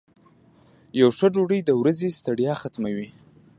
یو ښه ډوډۍ د ورځې ستړیا ختموي.